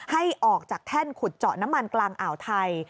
ให้ออกจากแท่นขุดเจาะน้ำมันกลางอ่าวไทย